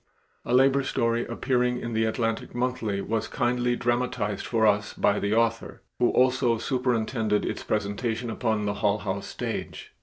A labor story appearing in the Atlantic Monthly was kindly dramatized for us by the author who also superintended its presentation upon the Hull House stage.